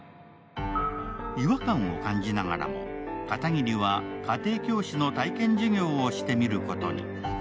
違和感を感じながらも片桐は家庭教師の体験授業をしてみることに。